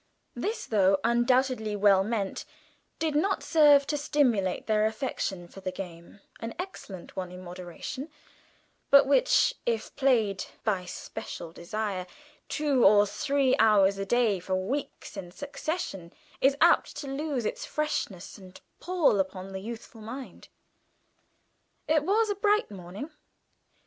This, though undoubtedly well meant, did not serve to stimulate their affection for the game, an excellent one in moderation, but one which, if played "by special desire" two or three hours a day for weeks in succession is apt to lose its freshness and pall upon the youthful mind. It was a bright morning.